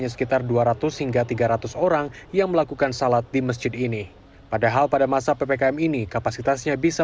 sekitar dua ratus hingga tiga ratus orang yang melakukan salat di masjid ini padahal pada masa ppkm ini kapasitasnya bisa